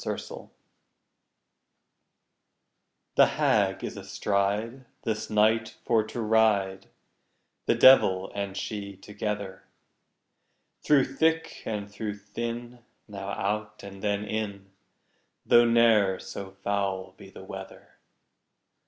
THE HAG The Hag is astride, This night for to ride, The devil and she together; Through thick and through thin, Now out, and then in, Though ne'er so foul be the weather.